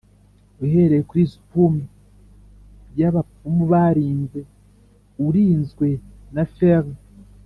uhereye kuri spume ya bapfumu barinze urinzwe na fern